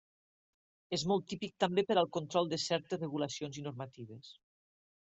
És molt típic també per al control de certes regulacions i normatives.